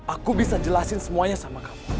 aku bisa jelasin semuanya sama kamu